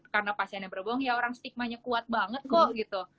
karena pasiennya berbohong ya orang stigma nya kuat banget kok gitu